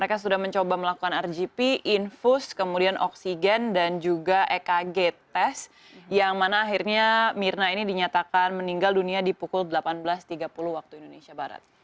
mereka sudah mencoba melakukan rgp infus kemudian oksigen dan juga ekg tes yang mana akhirnya mirna ini dinyatakan meninggal dunia di pukul delapan belas tiga puluh waktu indonesia barat